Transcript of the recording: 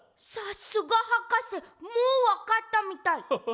さすがはかせもうわかったみたい。